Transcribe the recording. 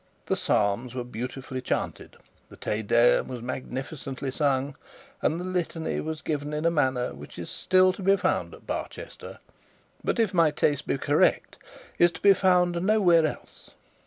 The psalms were beautifully chanted; the Te Deum was magnificently sung; and the litany was given in a manner, which is still to be found at Barchester, but, if my taste be correct, is to be found nowhere else.